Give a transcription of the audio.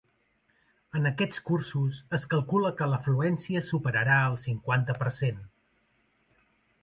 En aquests cursos es calcula que l’afluència superarà el cinquanta per cent.